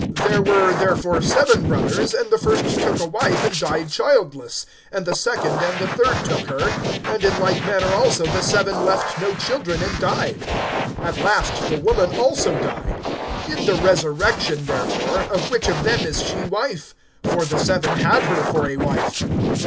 (29)There were therefore seven brothers; and the first took a wife, and died childless; (30)and the second and the third took her; (31)and in like manner also the seven left no children, and died. (32)At last the woman also died. (33)In the resurrection, therefore, of which of them is she wife? For the seven had her for a wife.